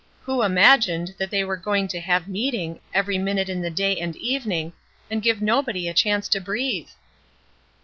Who imagined that they were going to have meeting every minute in the day and evening, and give nobody a chance to breathe?"